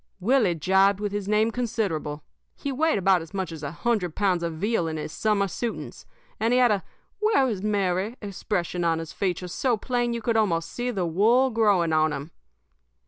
"Willie jibed with his name considerable. He weighed about as much as a hundred pounds of veal in his summer suitings, and he had a 'Where is Mary?' expression on his features so plain that you could almost see the wool growing on him.